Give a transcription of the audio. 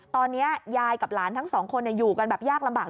ตอนนี้ยายกับหลานทั้งสองคนอยู่กันแบบยากลำบาก